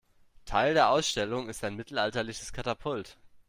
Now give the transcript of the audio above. Teil der Ausstellung ist ein mittelalterliches Katapult.